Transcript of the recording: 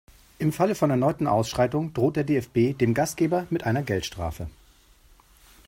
Im Falle von erneuten Ausschreitungen droht der DFB dem Gastgeber mit einer Geldstrafe.